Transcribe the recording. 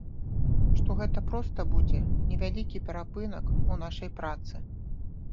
Што гэта проста будзе невялікі перапынак у нашай працы.